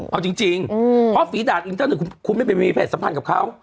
เอาจริงพอฝีดาดอีกต้องคิดคุณไม่ไป๒๒๐เส้นกับเขา